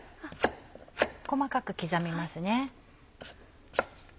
細かく刻みます。